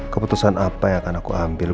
keputusan apa yang akan aku ambil